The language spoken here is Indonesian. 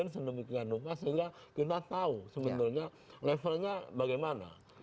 dan kemudian juga dibikin sedemikian lupa sehingga kita tahu sebenarnya levelnya bagaimana